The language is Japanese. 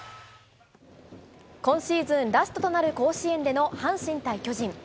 今シーズン、ラストとなる甲子園での阪神対巨人。